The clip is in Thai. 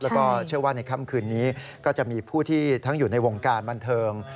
แล้วก็เชื่อว่าในค่ำคืนนี้ก็จะมีผู้ที่ทั้งอยู่ในวงการบันเทิง